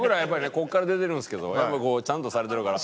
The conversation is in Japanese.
ここから出てるんですけどやっぱこうちゃんとされてるから。